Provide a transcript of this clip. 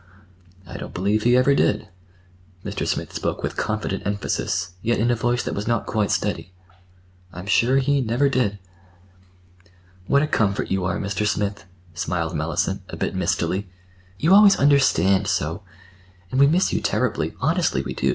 "I don't believe he ever did." Mr. Smith spoke with confident emphasis, yet in a voice that was not quite steady. "I'm sure he never did." "What a comfort you are, Mr. Smith," smiled Mellicent, a bit mistily. "You always understand so! And we miss you terribly—honestly we do!